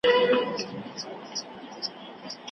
شرنګاشرنګ د پایزېبونو هر ګودر یې غزلخوان دی